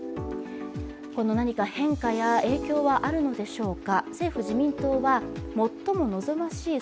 何か変化や影響はあるのでしょうか。